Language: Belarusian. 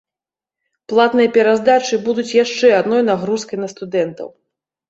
Платныя пераздачы будуць яшчэ адной нагрузкай на студэнтаў.